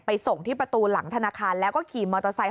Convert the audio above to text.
ส่งที่ประตูหลังธนาคารแล้วก็ขี่มอเตอร์ไซค์